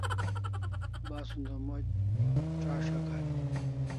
Basun o moc c'as'a karin